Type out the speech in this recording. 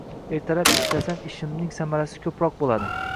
Ertalab ishlasam ishimning samarasi ko’proq bo’ladi.